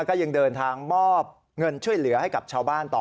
ก็ยังเดินทางมอบเงินช่วยเหลือให้กับชาวบ้านต่อ